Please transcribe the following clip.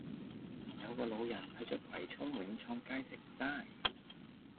有個老人去左葵涌永創街食齋